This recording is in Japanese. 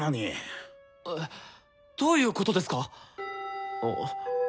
えどういうことですか？